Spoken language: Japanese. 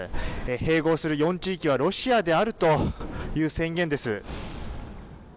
併合する４地域はロシアであるという宣言です。